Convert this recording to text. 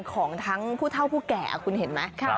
ของทั้งผู้เท่าผู้แก่คุณเห็นไหม